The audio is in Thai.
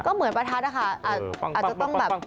ก็เหมือนประทัดนะคะอาจจะต้องแบบ